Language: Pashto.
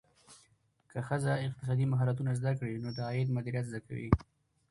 که ښځه اقتصادي مهارتونه زده کړي، نو د عاید مدیریت زده کوي.